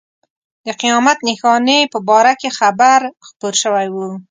د قیامت نښانې په باره کې خبر خپور شوی و.